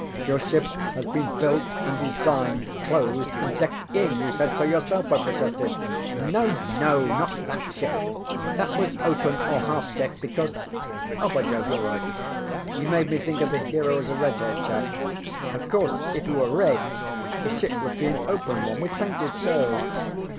ŌĆ£Your ship has been built and designed, closed and decked in; you said so yourself, ŌĆØ I protested. ŌĆ£No, no, not that ship. That was open, or half decked because . By Jove youŌĆÖre right. You made me think of the hero as a red haired chap. Of course if he were red, the ship would be an open one with painted sails.